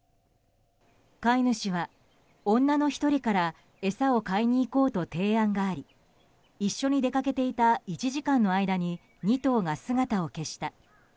飼い主は、女の１人から餌を買いに行こうと提案があり、一緒に出掛けていた１時間の間に２頭が姿を消した。